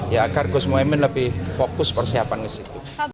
ya agar gus muhaymin lebih fokus persiapan di situ